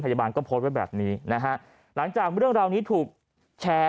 พยาบาลก็โพสต์ไว้แบบนี้นะฮะหลังจากเรื่องราวนี้ถูกแชร์